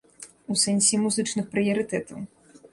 У сэнсе музычных прыярытэтаў.